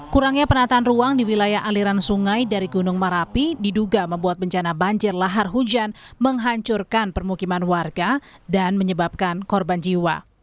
kurangnya penataan ruang di wilayah aliran sungai dari gunung marapi diduga membuat bencana banjir lahar hujan menghancurkan permukiman warga dan menyebabkan korban jiwa